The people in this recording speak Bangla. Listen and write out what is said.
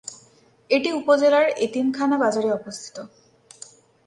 এটি উপজেলার এতিমখানা বাজারে অবস্থিত।